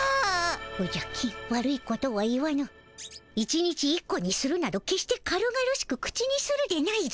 おじゃ金悪いことは言わぬ１日１個にするなど決して軽々しく口にするでないぞ。